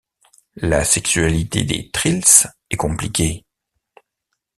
La sexualité des Trills est compliquée.